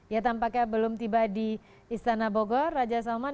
ya tampaknya belum tiba di istana bogor raja salman